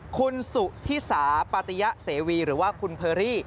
คุณสุธิสาปาติยะเสวีหรือว่าคุณเพอรี่